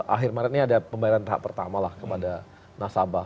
akhir maret ini ada pembayaran tahap pertama lah kepada nasabah